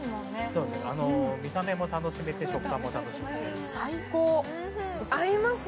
そうですね、見た目も楽しめて食感も楽しめます。